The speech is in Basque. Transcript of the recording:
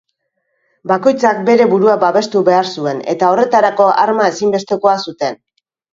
Bakoitzak bere burua babestu behar zuen eta horretarako arma ezinbestekoa zuten.